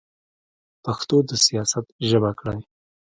پښتو د سیاست ژبه کړئ.